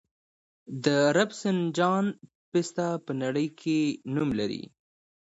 د رفسنجان پسته په نړۍ کې نوم لري.